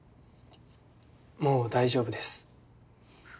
もう大丈夫です。